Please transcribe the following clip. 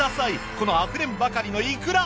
このあふれんばかりのいくら！